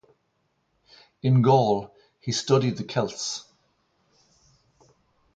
In Gaul, he studied the Celts.